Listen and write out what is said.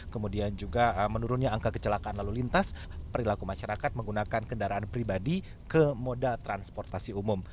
kemudian juga menurunnya angka kecelakaan lalu lintas perilaku masyarakat menggunakan kendaraan pribadi ke moda transportasi umum